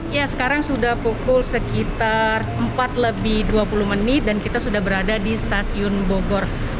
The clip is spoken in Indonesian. ya sekarang sudah pukul sekitar empat lebih dua puluh menit dan kita sudah berada di stasiun bogor